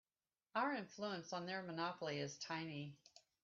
Our influence on their monopoly is tiny.